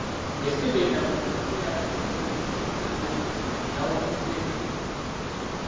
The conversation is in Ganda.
Essiga eddamuzi mu kiseera kino eky'omuggalo n’alyo lyawummuza emirimu.